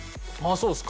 そうですか。